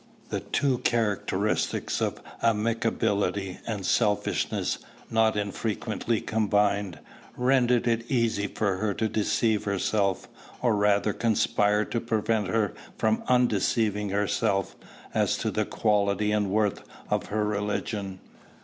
The two characteristics of amicability and selfishness, not unfrequently combined, rendered it easy for her to deceive herself, or rather conspired to prevent her from undeceiving herself, as to the quality and worth of her religion.